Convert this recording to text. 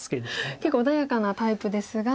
結構穏やかなタイプですが。